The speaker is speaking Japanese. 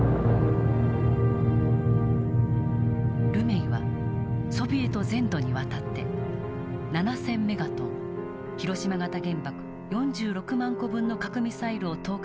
ルメイはソビエト全土にわたって７，０００メガトン広島型原爆４６万個分の核ミサイルを投下する計画を立てていた。